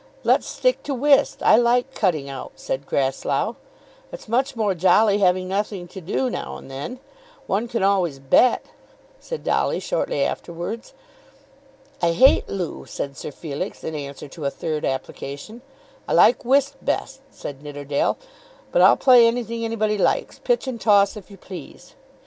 "Let's stick to whist; I like cutting out," said Grasslough. "It's much more jolly having nothing to do now and then; one can always bet," said Dolly shortly afterwards. "I hate loo," said Sir Felix in answer to a third application. "I like whist best," said Nidderdale, "but I'll play anything anybody likes; pitch and toss if you please."